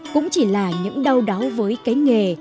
cũng chỉ là những đau đáu với cái nghề